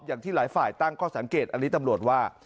อย่างที่หลายฝ่ายตั้งข้อสังเกตอันนี้ตำรวจว่า